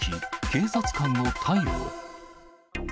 警察官を逮捕。